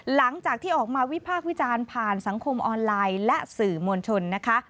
หลังจากที่ออกมาวิพากษ์วิจารณ์ผ่านสังคมออนไลน์และสื่อมวลชนนะคะ